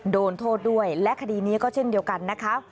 โดนโทษด้วยและคดีนี้ก็เช่นเดียวกันนะคะ